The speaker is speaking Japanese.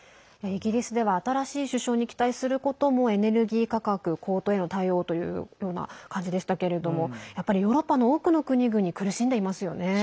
イギリスでは新しい首相に期待することもエネルギー価格高騰への対応というような感じでしたけれどもやっぱりヨーロッパの多くの国々苦しんでいますよね。